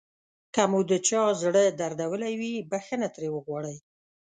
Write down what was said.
که مو د چا زړه دردولی وي بښنه ترې وغواړئ.